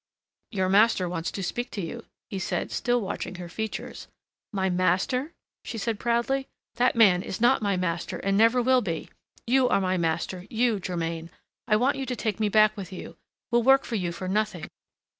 "Your master wants to speak to you," he said, still watching her features. "My master?" she said proudly; "that man is not my master and never will be! You are my master, you, Germain. I want you to take me back with you will work for you for nothing!"